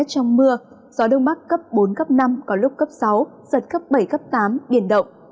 trong mưa gió đông bắc cấp bốn cấp năm có lúc cấp sáu giật cấp bảy cấp tám biển động